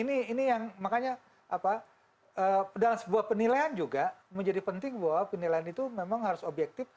nah ini yang makanya dalam sebuah penilaian juga menjadi penting bahwa penilaian itu memang harus objektif